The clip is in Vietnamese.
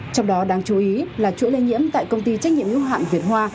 trong đó đáng chú ý là chuỗi lây nhiễm tại công ty trách nhiệm hữu hạn việt hoa